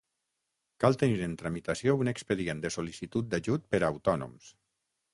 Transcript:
Cal tenir en tramitació un expedient de sol·licitud d'ajut per a autònoms.